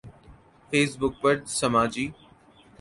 face بک پر سماجی